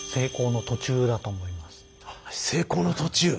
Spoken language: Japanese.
成功の途中。